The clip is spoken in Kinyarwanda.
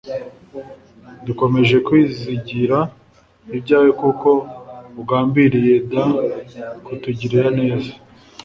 Dukomeje kwizigira ibyawe kuko ugambiriye dkutugirira neza